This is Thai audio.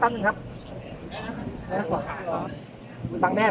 สวัสดีครับ